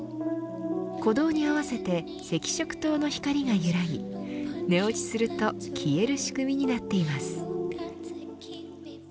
鼓動に合わせて赤色灯の光が揺らぎ寝落ちすると消える仕組みになっています。